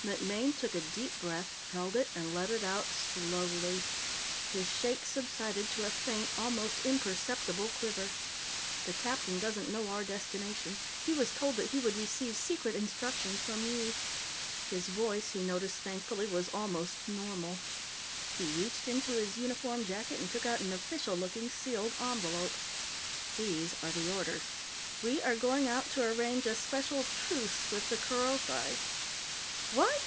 MacMaine took a deep breath, held it, and let it out slowly. His shakes subsided to a faint, almost imperceptible quiver. "The captain doesn't know our destination. He was told that he would receive secret instructions from you." His voice, he noticed thankfully, was almost normal. He reached into his uniform jacket and took out an official looking sealed envelope. "These are the orders. We are going out to arrange a special truce with the Kerothi." "_What?